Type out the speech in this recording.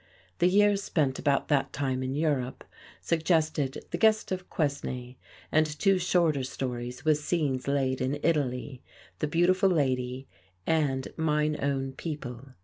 The years spent about that time in Europe suggested "The Guest of Quesnay," and two shorter stories with scenes laid in Italy, "The Beautiful Lady," and "Mine Own People."